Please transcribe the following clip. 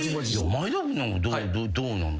前田君なんかどうなのよ？